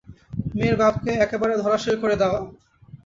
মেয়ের বাপকে একেবারে ধরাশায়ী করে দেওয়া।